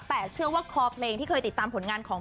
แต่เชื่อว่าคอเพลงที่เคยติดตามผลงานของ